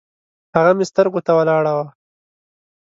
هغه مې سترګو ته ولاړه وه